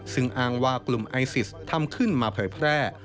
ซึ่งอ้างว่ากลุ่มไอซิสทำขึ้นมาเผยแพร่